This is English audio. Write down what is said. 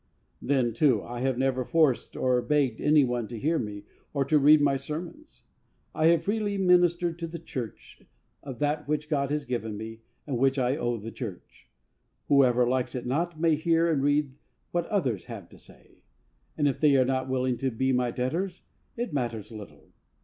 Then, too, I have never forced or begged any one to hear me, or to read my sermons. I have freely ministered in the Church of that which God has given me and which I owe the Church. Whoever likes it not, may hear and read what others have to say. And if they are not willing to be my debtors, it matters little.